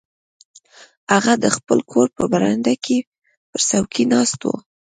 هغه د خپل کور په برنډه کې پر څوکۍ ناست و.